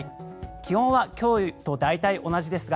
気温は今日と大体同じですが